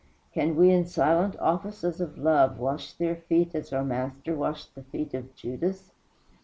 Can we in silent offices of love wash their feet as our Master washed the feet of Judas?